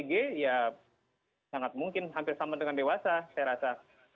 ya sangat mungkin hampir sama dengan dewasa saya rasa